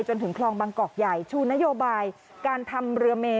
จนถึงคลองบางกอกใหญ่ชูนโยบายการทำเรือเม